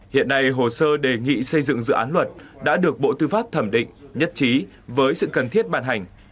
hiện nay hồ sơ đề nghị xây dựng dự án luật đã được bộ tư pháp thẩm định nhất trí với sự cần thiết bàn hành